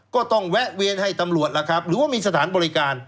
แวะเวียนให้ตำรวจล่ะครับหรือว่ามีสถานบริการ